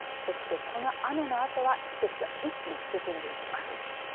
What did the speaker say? そして、この雨のあとは季節が一気に進んでいきます。